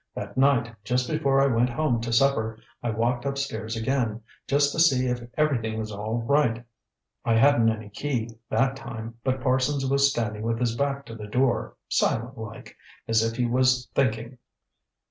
That night, just before I went home to supper, I walked upstairs again, just to see if everything was all right. I hadn't any key, that time, but Parsons was standing with his back to the door, silent like, as if he was thinking."